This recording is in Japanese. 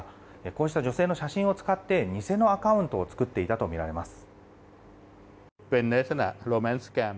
こうした女性の写真を使って偽のアカウントを作っていたとみられます。